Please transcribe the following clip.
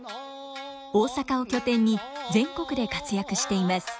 大阪を拠点に全国で活躍しています。